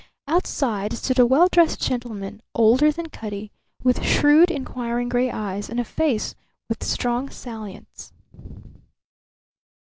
Outside stood a well dressed gentleman, older than Cutty, with shrewd, inquiring gray eyes and a face with strong salients.